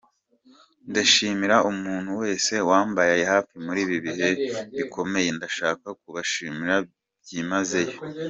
Ndashimira umuntu wese wambaye hafi muri ibi bihe bikomeye, ndashaka kubashimira byimazeyo.